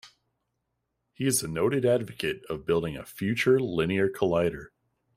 He is a noted advocate of building a future linear collider.